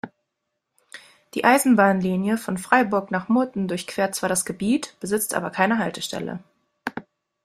Die Eisenbahnlinie von Freiburg nach Murten durchquert zwar das Gebiet, besitzt aber keine Haltestelle.